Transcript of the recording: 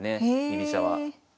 居飛車は。